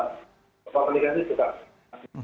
pak pendika sih suka